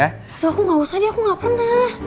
aduh aku gak usah deh aku gak pernah